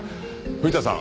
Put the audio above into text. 藤田さん